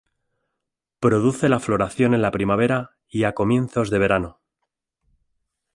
Produce la floración en la primavera y a comienzos de verano.